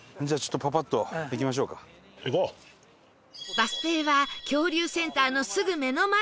バス停は恐竜センターのすぐ目の前